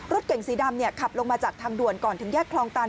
รถเก่งสีดำขับลงมาจากทางด่วนก่อนถึงแยกคลองตัน